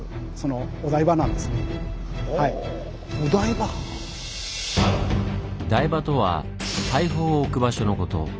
台場とは大砲を置く場所のこと。